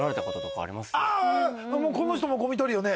この人もゴミ取るよね。